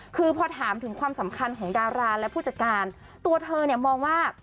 คือพอถามถึงความสำคัญของดาราและผู้จัดการตัวเธอเนี่ยมองว่า